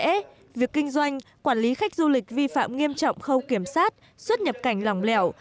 vì thế việc kinh doanh quản lý khách du lịch vi phạm nghiêm trọng khâu kiểm sát xuất nhập cảnh lòng lẹo